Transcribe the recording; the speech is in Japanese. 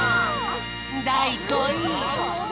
だい５い。